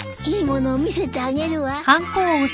いいものを見せてあげるわ。